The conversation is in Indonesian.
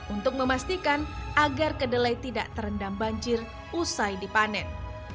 untuk memastikan agar kedelai tidak terendam banjir usai dipanen